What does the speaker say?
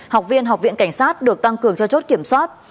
học viên học viện cảnh sát được tăng cường cho chốt kiểm soát